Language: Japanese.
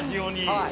はい。